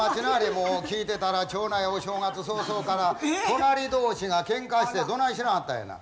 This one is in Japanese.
もう聞いてたらお正月早々から隣同士がケンカしてどないしなはったんやな？